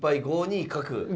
５二角。